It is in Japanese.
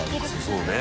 そうね